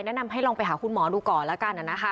แนะนำให้ลองไปหาคุณหมอดูก่อนแล้วกันนะคะ